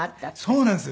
そうなんです。